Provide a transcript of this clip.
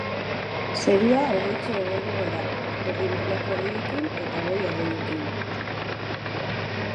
Zerua hodeitsu egongo da, erdi mailako hodeiekin eta goi-hodeiekin.